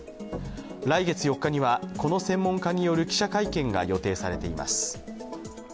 来月４日にはこの専門家による記者会見が予定されています。